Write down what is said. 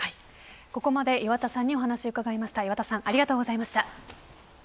ここまで岩田さんにお話を聞きました。